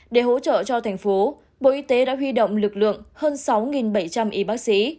để hỗ trợ cho thành phố bộ y tế đã huy động lực lượng hơn sáu bảy trăm linh y bác sĩ